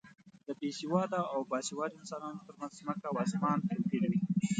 د بې سواده او با سواده انسانو تر منځ ځمکه او اسمان توپیر وي.